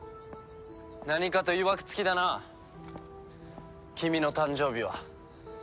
何かといわく付きだな君の誕生日は。